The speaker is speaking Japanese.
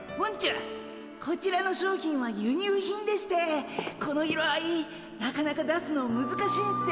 こちらの商品は輸入品でしてこの色合いなかなか出すのむずかしいんすよ。